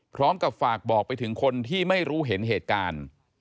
พร้อมกับฝากบอกไปถึงคนที่ไม่รู้เห็นเหตุการณ์